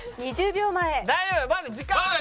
１０秒前。